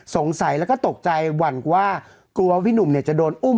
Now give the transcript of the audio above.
สงสัยแล้วก็ตกใจหวั่นว่ากลัวพี่หนุ่มเนี่ยจะโดนอุ้ม